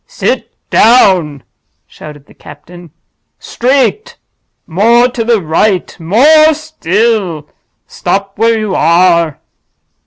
"Sit down!" shouted the captain. "Straight! more to the right—more still. Stop where you are!"